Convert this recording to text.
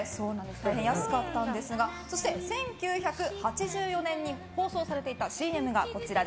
大変安かったんですがそして１９８４年に放送されていたＣＭがこちら。